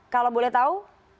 kalau boleh tahu